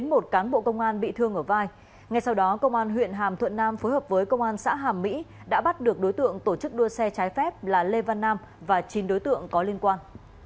ngay sau đó công an huyện hàm thuận nam phối hợp với công an xã hàm mỹ đã bắt được đối tượng tổ chức đua xe trái phép là lê văn nam và chín đối tượng có liên quan